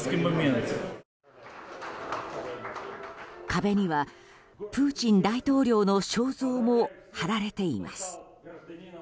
壁にはプーチン大統領の肖像も貼られています。